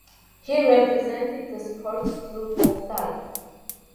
He represented the sports club Oppdal.